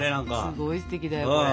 すごいステキだよこれ。